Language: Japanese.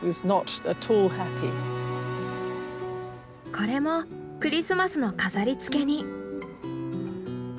これもクリスマスの飾りつけに。